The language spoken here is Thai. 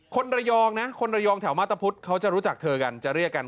คนระยองนะคนระยองแถวมาตรพุทธเขาจะรู้จักเธอกันจะเรียกกัน